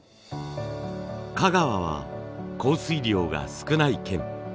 香川は降水量が少ない県。